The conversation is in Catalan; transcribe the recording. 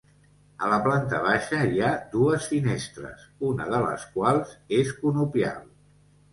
A la planta baixa hi ha dues finestres, una de les quals és conopial.